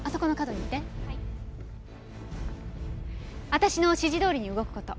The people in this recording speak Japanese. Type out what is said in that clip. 私の指示どおりに動く事。